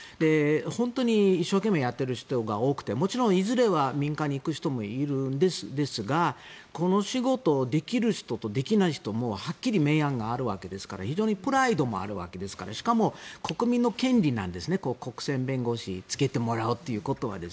本当に一生懸命やってる人が多くていずれは民間に行く人も多いんですがこの仕事をできる人とできない人はっきり明暗があるわけですから非常にプライドもあるわけですからしかも国民の権利なんですね国選弁護士をつけてもらうということは。